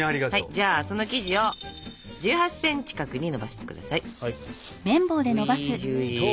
じゃあその生地を１８ｃｍ角にのばして下さい。